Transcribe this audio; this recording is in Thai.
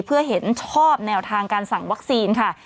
เพื่อเห็นชอบแนวทางการสั่งวัคซีนค่ะ